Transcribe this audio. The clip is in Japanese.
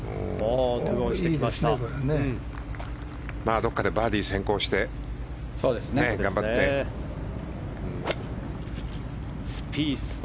どこかでバーディー先行して頑張ってほしいですね。